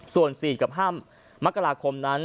ส่วน๔กับ๕มกราคมนั้น